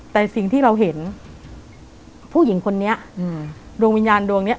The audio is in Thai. แต่สิ่งที่เราเห็นผู้หญิงคนนี้อืมดวงวิญญาณดวงเนี้ย